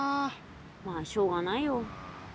まあしょうがないよ。